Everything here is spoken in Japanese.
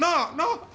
なあ！